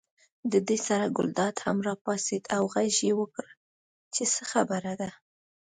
دې سره ګلداد هم راپاڅېد او غږ یې وکړ چې څه خبره ده.